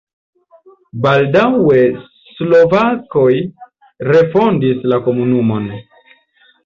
Baldaŭe slovakoj refondis la komunumon.